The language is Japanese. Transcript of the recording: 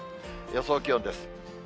予想気温です。